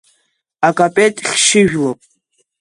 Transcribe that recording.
Акапет хьшьыжәлоуп.